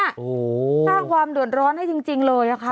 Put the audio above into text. ก็ช่างความบ่อนร้อนจริงเลยนะคะ